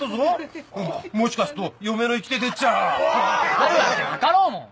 あるわけなかろうもん！